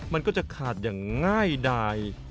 มันก็จะขาดอย่างง่ายดาย